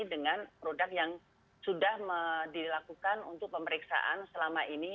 dengan produk yang sudah dilakukan untuk pemeriksaan selama ini